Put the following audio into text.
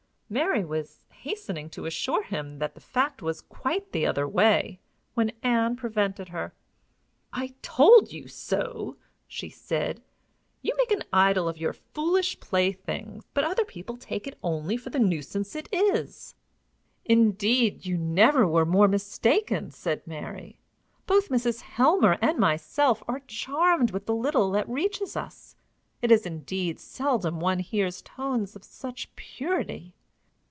Mary was hastening to assure him that the fact was quite the other way, when Ann prevented her. "I told you so!" she said; "you make an idol of your foolish plaything, but other people take it only for the nuisance it is." "Indeed, you never were more mistaken," said Mary. "Both Mrs. Helmer and myself are charmed with the little that reaches us. It is, indeed, seldom one hears tones of such purity."